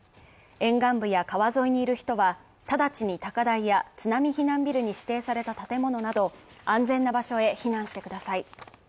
沿岸部や川沿いにいる人は直ちに高台や津波避難ビルに指定された建物など安全な場所へ避難してください。